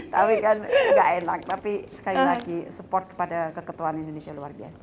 tapi kan gak enak tapi sekali lagi support kepada keketuaan indonesia luar biasa